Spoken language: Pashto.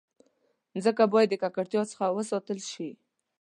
مځکه باید د ککړتیا څخه وساتل شي.